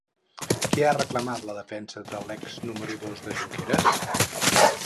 Què ha reclamat la defensa de l'ex-número dos de Junqueras?